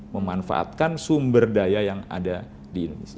memanfaatkan sumber daya yang ada di indonesia